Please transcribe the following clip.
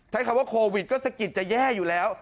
ใช้คำว่าโควิดก็สะกิดจะแย่อยู่แล้ว